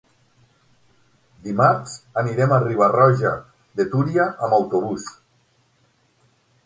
Dimarts anirem a Riba-roja de Túria amb autobús.